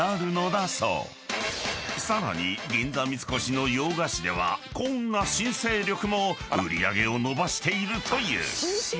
［さらに銀座三越の洋菓子ではこんな新勢力も売り上げを伸ばしているという］